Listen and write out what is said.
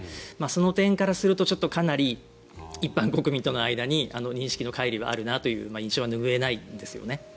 その点からするとかなり一般国民との間に認識のかい離はあるなという印象は拭えないですね。